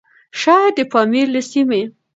شايد د پامير له سيمې؛